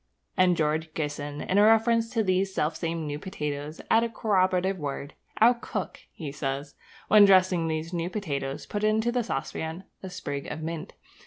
And George Gissing in a reference to these selfsame new potatoes, adds a corroborative word. 'Our cook,' he says, 'when dressing these new potatoes, puts into the saucepan a sprig of mint.